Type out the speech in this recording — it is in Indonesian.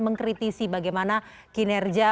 mengkritisi bagaimana kinerja